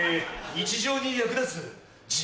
日常に役立つ。